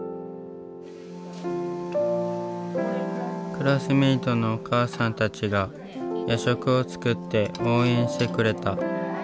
クラスメートのお母さんたちが夜食を作って応援してくれた。